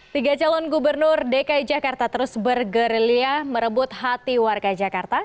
tiga calon gubernur dki jakarta terus bergerilia merebut hati warga jakarta